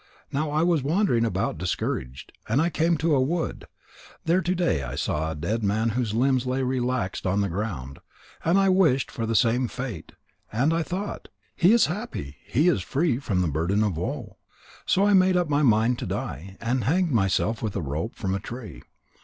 Now I was wandering about discouraged, and I came to a wood. There I saw to day a dead man whose limbs lay relaxed on the ground. And I wished for the same fate, and I thought: He is happy. He is free from the burden of woe.' So I made up my mind to die, and hanged myself with a rope from a tree.